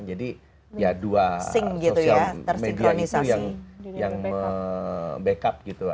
jadi ya dua sosial media itu yang backup gitu